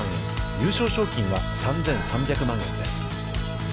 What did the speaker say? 優勝賞金は３３００万円です。